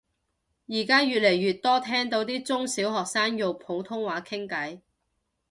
而家越嚟越多聽到啲中小學生用普通話傾偈